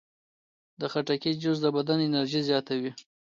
د خټکي جوس د بدن انرژي زیاتوي.